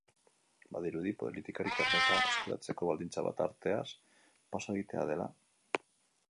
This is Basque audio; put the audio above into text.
Badirudi politikari karneta eskuratzeko baldintza bat arteaz paso egitea dela?